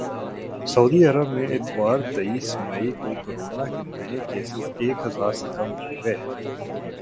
سعودی عرب میں اتوار تیس مئی کو کورونا کے نئے کیسز ایک ہزار سے کم ہوگئے